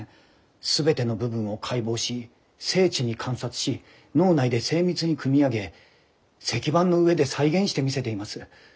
全ての部分を解剖し精緻に観察し脳内で精密に組み上げ石版の上で再現してみせています。